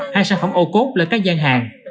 hay sản phẩm ô cốt là các gian hàng